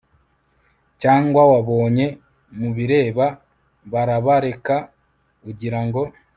cyangwa wabonye mubireba barabareka ugirango